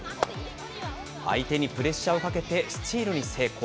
相手にプレッシャーをかけて、スチールに成功。